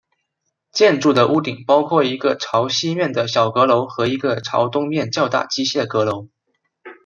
建筑的屋顶包括一个朝西面的小阁楼和一个朝东面较大机械阁楼。